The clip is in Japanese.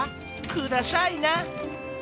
くださいな。